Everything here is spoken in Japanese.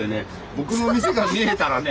僕の店が見えたらね。